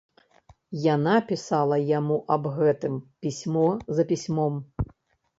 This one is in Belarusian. Яна пісала яму аб гэтым пісьмо за пісьмом.